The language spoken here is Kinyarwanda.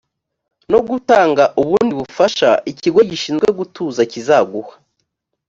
no gutanga ubundi bufasha ikigo gishinzwe gutuza kizaguha